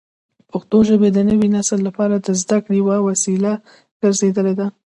پښتو ژبه د نوي نسل لپاره د زده کړې یوه وسیله ګرځېدلې ده.